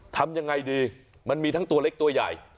ทำยังไงดีมันมีทั้งตัวเล็กตัวใหญ่